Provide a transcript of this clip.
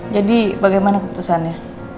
jadi bagaimana keputusannya